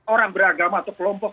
orang beragama atau kelompok